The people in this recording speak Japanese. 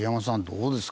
どうですか？